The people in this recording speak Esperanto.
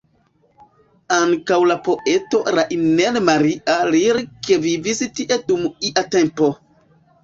Ankaŭ la poeto Rainer Maria Rilke vivis tie dum ia tempo.